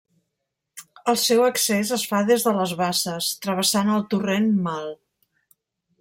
El seu accés es fa des de les Basses, travessant el Torrent Mal.